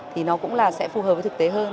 thì nó cũng là sẽ phù hợp với thực tế hơn